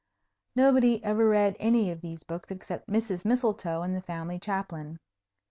Nobody ever read any of these books except Mrs. Mistletoe and the family Chaplain.